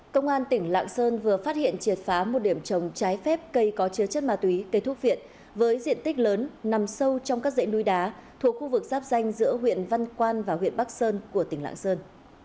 công an tỉnh lạng sơn vừa phát hiện triệt phá một điểm trồng trái phép cây có chứa chất ma túy cây thuốc viện với diện tích lớn nằm sâu trong các dãy núi đá thuộc khu vực giáp danh giữa huyện văn quan và huyện bắc sơn của tỉnh lạng sơn